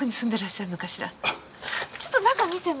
ちょっと中を見ても。